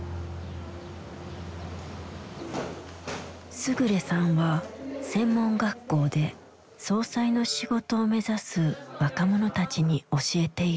勝さんは専門学校で葬祭の仕事を目指す若者たちに教えている。